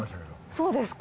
そうですか？